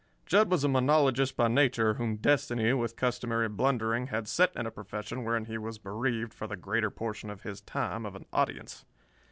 Jud was a monologist by nature, whom Destiny, with customary blundering, had set in a profession wherein he was bereaved, for the greater portion of his time, of an audience.